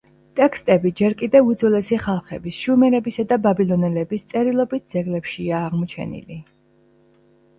ტექსტები ჯერ კიდევ უძველესი ხალხების, შუმერებისა და ბაბილონელების, წერილობით ძეგლებშია აღმოჩენილი.